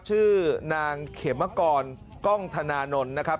ชื่อนางเขมกรกล้องธนานนท์นะครับ